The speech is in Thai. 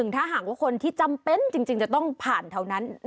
ถ้าหากว่าคนที่จำเป็นจริงจะต้องผ่านเท่านั้น